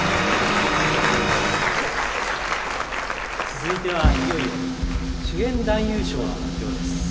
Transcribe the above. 続いてはいよいよ主演男優賞の発表です。